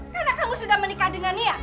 karena kamu sudah menikah dengan ia